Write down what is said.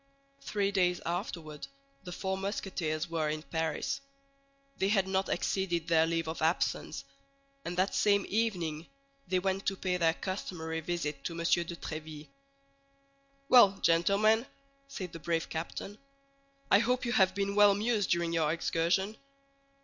Three days afterward the four Musketeers were in Paris; they had not exceeded their leave of absence, and that same evening they went to pay their customary visit to M. de Tréville. "Well, gentlemen," said the brave captain, "I hope you have been well amused during your excursion."